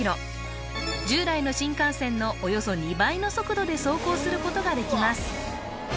従来の新幹線のおよそ２倍の速度で走行することができます